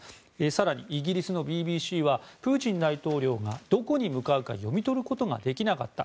更にイギリスのＢＢＣはプーチン大統領がどこに向かうか読み取ることができなかった。